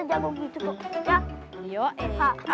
ingat kita jago gitu tuh ya